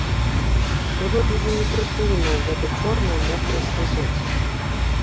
Было дужа непрытульна ў гэтай чорнай мокрай слізоце.